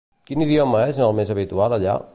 Quin idioma és el més habitual allà?